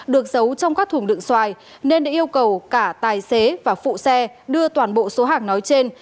được giấu trong các thùng đựng xoài nên đã yêu cầu cả tài xế và phụ xe đưa toàn bộ số hàng nói trên